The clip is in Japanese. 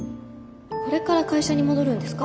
これから会社に戻るんですか？